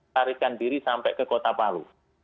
tarikan diri sampai ke kota palu